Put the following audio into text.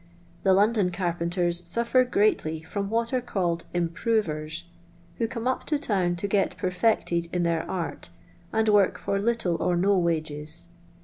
The London carpenters suffer greatly from what are called " improvers," who come up to town to get perfected in their art, and work for little or no wages.